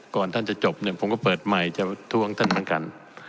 ก่อนท่านจะจบเนี่ยผมก็เปิดใหม่จะทวงท่านเหมือนกัน